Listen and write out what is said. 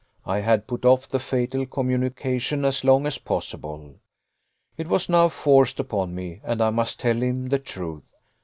I had put off the fatal communication as long as possible. It was now forced upon me, and I must tell him the truth.